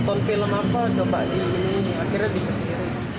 nonton film apa coba ini akhirnya bisa sendiri